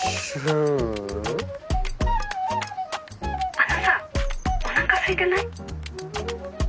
あのさお腹すいてない？